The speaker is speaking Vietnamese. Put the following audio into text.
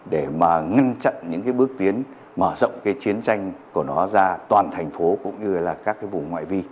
để ngăn chặn những bước tiến mở rộng chiến tranh của nó ra toàn thành phố cũng như các vùng ngoại vi